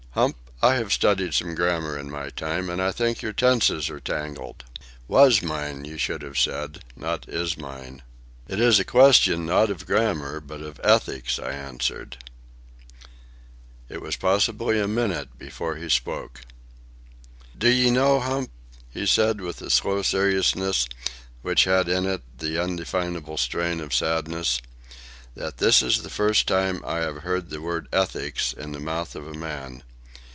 "Hump, I have studied some grammar in my time, and I think your tenses are tangled. 'Was mine,' you should have said, not 'is mine.'" "It is a question, not of grammar, but of ethics," I answered. It was possibly a minute before he spoke. "D'ye know, Hump," he said, with a slow seriousness which had in it an indefinable strain of sadness, "that this is the first time I have heard the word 'ethics' in the mouth of a man.